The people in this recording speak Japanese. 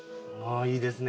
いいですね。